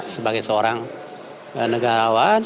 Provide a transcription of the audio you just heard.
sebagai seorang negawan